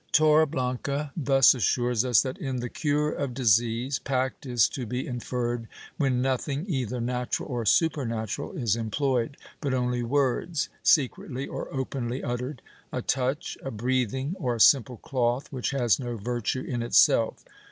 Torre blanca thus assures us that, in the cure of disease, pact is to be inferred when nothing, either natural or supernatural, is employed, but only words, secretly or openly uttered, a touch, a breathing, or a simple cloth which has no virtue in itself.